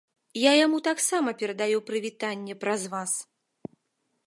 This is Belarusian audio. Я яму таксама перадаю прывітанне праз вас.